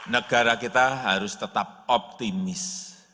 negara kita harus tetap optimis